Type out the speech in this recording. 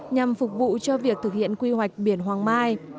nhằm phục vụ cho việc thực hiện quy hoạch biển hoàng mai